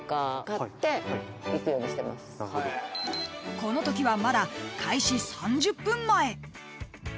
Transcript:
［このときはまだ開始３０分前］